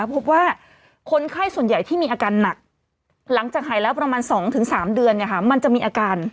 พบว่าคนไข้ส่วนใหญ่ที่มีอาการหนักหลังจากหายแล้วประมาณ๒๓เดือนมันจะมีอาการ